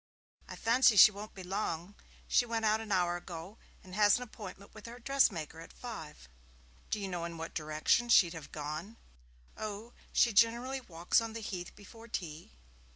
'I fancy she won't be long. She went out an hour ago, and she has an appointment with her dressmaker at five.' 'Do you know in what direction she'd have gone?' 'Oh, she generally walks on the Heath before tea.'